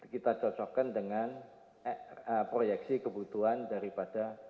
kita cocokkan dengan proyeksi kebutuhan daripada